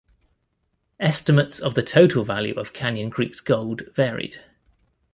Estimates of the total value of Canyon Creek's gold varied.